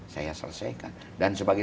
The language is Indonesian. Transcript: saya selesaikan dan sebagai